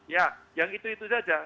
ya yang itu itu saja